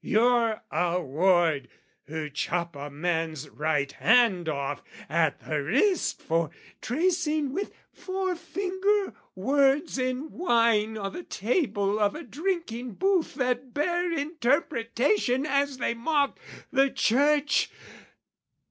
Your award Who chop a man's right hand off at the wrist For tracing with forefinger words in wine O' the table of a drinking booth that bear Interpretation as they mocked the Church!